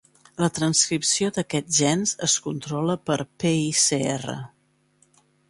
La transcripció d'aquests gens es controla per "PlcR".